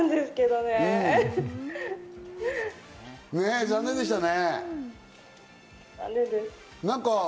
ねぇ、残念でしたね。